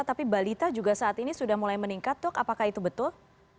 tapi saat ini sudah mulai meningkat tuk apakah itu betul